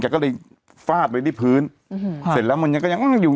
ก็เลยฟาดไว้ที่พื้นอืมเสร็จแล้วมันยังก็ยังอยู่